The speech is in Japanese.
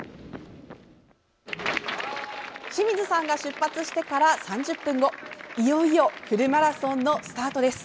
清水さんが出発してから３０分後いよいよフルマラソンのスタートです。